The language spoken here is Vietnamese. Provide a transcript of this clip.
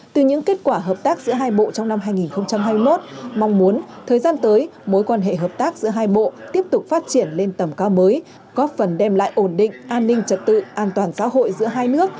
từ những kết quả hợp tác giữa hai bộ trong năm hai nghìn hai mươi một mong muốn thời gian tới mối quan hệ hợp tác giữa hai bộ tiếp tục phát triển lên tầm cao mới góp phần đem lại ổn định an ninh trật tự an toàn xã hội giữa hai nước